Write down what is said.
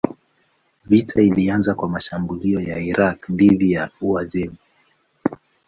Vita ilianza kwa mashambulio ya Irak dhidi ya Uajemi.